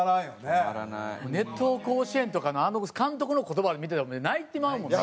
『熱闘甲子園』とかのあの監督の言葉見てたら泣いてまうもんね。